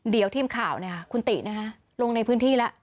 เดี๋ยวทีมข่าวคุณติลงในพื้นที่แล้ว